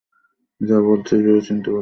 যা বলছিস ভেবেচিন্তে বলছিস তো?